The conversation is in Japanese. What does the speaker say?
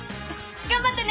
頑張ってね。